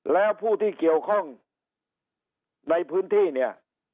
แล้วผู้ที่เกี่ยวข้องในพื้นที่เนี่ย